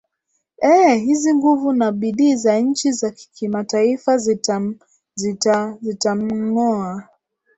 ee hizi nguvu na bidii za nchi za kimataifa zitam zita zitamng oa